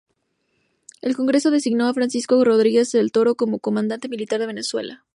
El Congreso designó a Francisco Rodríguez del Toro como Comandante Militar de Venezuela.